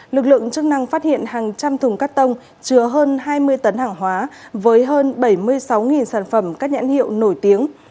lực lượng chức năng phát hiện hàng trăm thùng cắt tông chứa hơn hai mươi tấn hàng hóa với hơn bảy mươi sáu sản phẩm các nhãn hiệu nổi tiếng